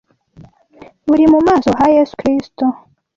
buri mu maso ha Yesu Kristo